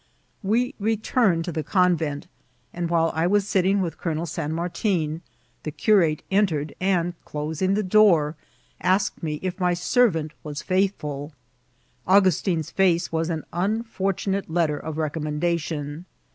'' We returned to the convent, and while I was ait* ting with Colonel San Martin the cnxate entered, and, closing tibe door, asked me if my servant was faithfaL Augustin's face wbb an unfortunate letter of Jocom mendation.